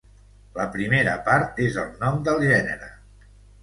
La primera part és el nom del gènere.